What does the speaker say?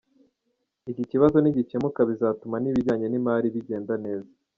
Iki kibazo nigikemuka bizatuma n’ibijyanye n’imari bigenda neza.